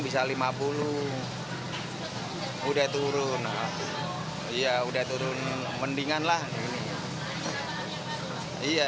harga masih lumayan stabil ya rada turun dikit ya